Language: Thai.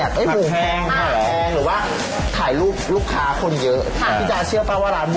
หักแพงหรือว่าถ่ายรูปลูกค้าคนเยอะถ้าพี่จารย์เชื่อปะว่า